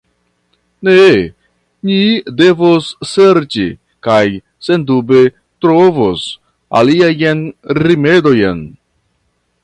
Ne, ni devos serĉi, kaj sendube trovos, aliajn rimedojn.